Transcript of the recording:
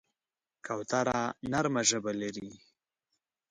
کوتره نرمه ژبه لري.